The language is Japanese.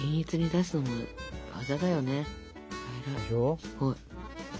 すごい。